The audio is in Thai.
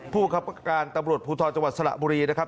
ผู้คับการตำรวจภูทรจังหวัดสระบุรีนะครับ